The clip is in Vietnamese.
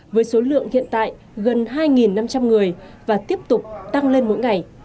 với số lượng hiện tại gần hai năm trăm linh người và tiếp tục tăng lên mỗi ngày